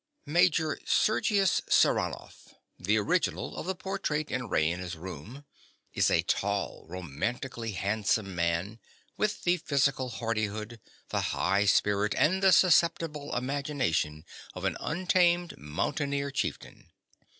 _) (_Major Sergius Saranoff, the original of the portrait in Raina's room, is a tall, romantically handsome man, with the physical hardihood, the high spirit, and the susceptible imagination of an untamed mountaineer chieftain.